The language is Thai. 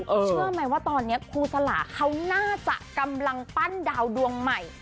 เชื่อไหมว่าตอนนี้ครูสลาเขาน่าจะกำลังปั้นดาวดวงใหม่